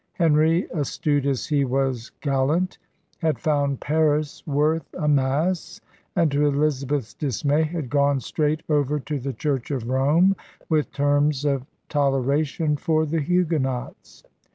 Henry, astute as he was gallant, had found Paris * worth a mass' and, to Elizabeth's dismay, had gone straight over to the Church of Rome with terms of 223 224 ELIZABETHAN SEA DOGS toleration for the Huguenots.